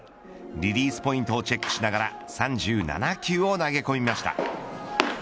リリースポイントをチェックしながら３７球を投げ込みました。